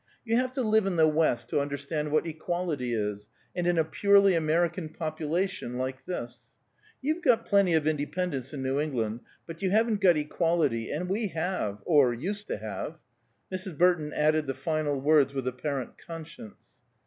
You have to live in the West to understand what equality is, and in a purely American population, like this. You've got plenty of independence, in New England, but you haven't got equality, and we have, or used to have." Mrs. Burton added the final words with apparent conscience.